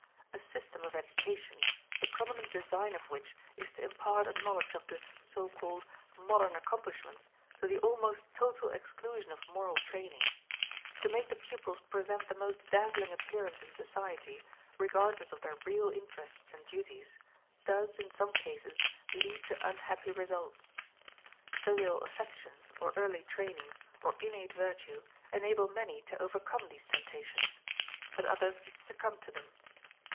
A system of education, the prominent design of which is to impart a knowledge of the (so called) modern accomplishments to the almost total exclusion of moral training; to make the pupils present the most dazzling appearance in society, regardless of their real interests and duties, does, in some cases, lead to unhappy results. Filial affection, or early training, or innate virtue, enable many to overcome these temptations, but others succumb to them.